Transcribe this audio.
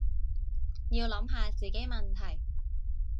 要諗下自己問題